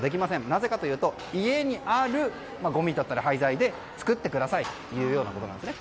なぜかというと家にあるごみだったり廃材で作ってくださいということなんですね。